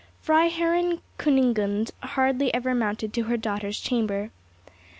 Freiherrin Kunigunde hardly ever mounted to her daughter's chamber.